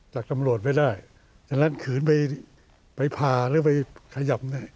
จากตำรวจไม่ได้ฉะนั้นขืนไปพาหรือไปขยับ